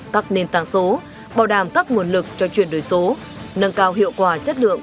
tắt nền tăng số bảo đảm các nguồn lực cho chuyển đổi số nâng cao hiệu quả chất lượng